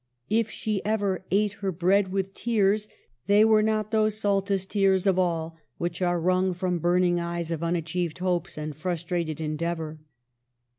If she ever " ate her bread with tears/' they were not those saltest tears of all which are wrung from burning eyes by unachieved hopes and frustrated endeavor.